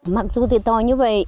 mặc dù thì to như vậy